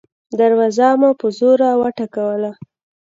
دروازه مو په زوره وټکوله.